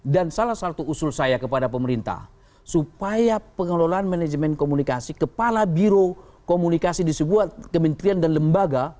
dan salah satu usul saya kepada pemerintah supaya pengelolaan manajemen komunikasi kepala biro komunikasi di sebuah kementerian dan lembaga